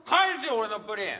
俺のプリン。